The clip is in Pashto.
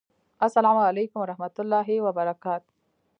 اسلام اعلیکم ورحمت الله وبرکاته